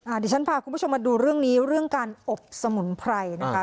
เดี๋ยวฉันพาคุณผู้ชมมาดูเรื่องนี้เรื่องการอบสมุนไพรนะคะ